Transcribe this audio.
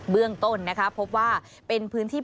เบื้องต้นนะคะพบว่าเป็นพื้นที่